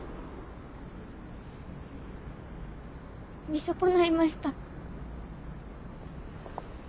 見損ないました。